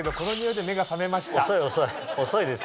遅い遅い遅いです。